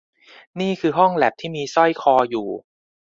นี่คือห้องแล็ปที่มีสร้อยคออยู่